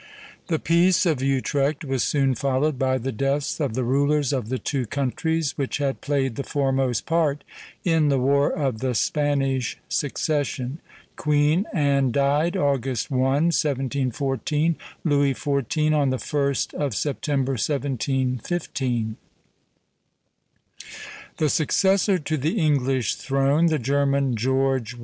The Peace of Utrecht was soon followed by the deaths of the rulers of the two countries which had played the foremost part in the War of the Spanish Succession. Queen Anne died August 1, 1714; Louis XIV. on the 1st of September, 1715. The successor to the English throne, the German George I.